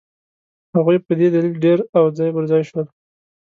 هغوی په دې دلیل ډېر او ځای پر ځای شول.